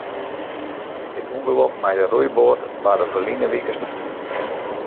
It ûngelok mei de roeiboat barde ferline wike sneontemoarn.